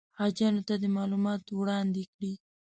حاجیانو ته دې معلومات وړاندې کړي.